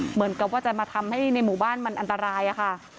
เหมือนกับว่าจะมาทำให้ในหมู่บ้านมันอันตรายอะค่ะ